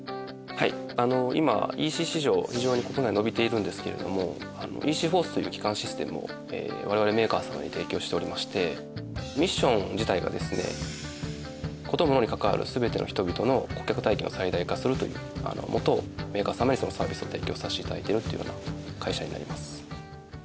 はい今ＥＣ市場非常に国内伸びているんですけれども「ｅｃｆｏｒｃｅ」という基幹システムを我々はメーカー様に提供しておりましてミッション自体がですね「コト、モノにかかわる全ての人々の顧客体験を最大化する」というもとメーカー様にそのサービスを提供させて頂いているというような会社になります。